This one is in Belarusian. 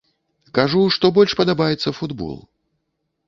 Кажу, што больш падабаецца футбол.